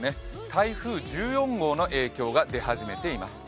台風１４号の影響が出始めています。